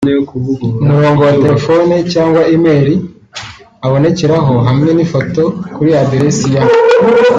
umurongo wa telefoni cyangwa e-mail abonekeraho hamwe n’ifoto kuri aderesi ya